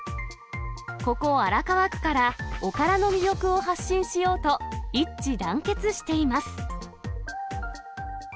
ここ荒川区から、おからの魅力を発信しようと、一致団結しています。